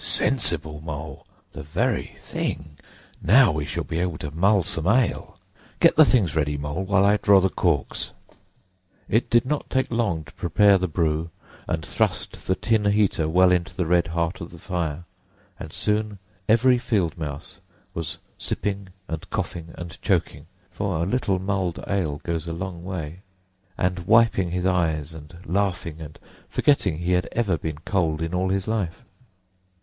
"Sensible Mole! The very thing! Now we shall be able to mull some ale! Get the things ready, Mole, while I draw the corks." It did not take long to prepare the brew and thrust the tin heater well into the red heart of the fire; and soon every field mouse was sipping and coughing and choking (for a little mulled ale goes a long way) and wiping his eyes and laughing and forgetting he had ever been cold in all his life.